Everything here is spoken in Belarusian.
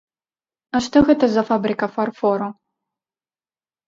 А што гэта за фабрыка фарфору?